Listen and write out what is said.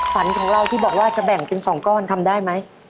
ฝันของเราที่บอกว่าจะแบ่งเป็น๒ก้อนทำได้ไหม